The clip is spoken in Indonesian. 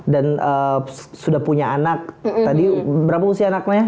dan sudah punya anak tadi berapa usia anaknya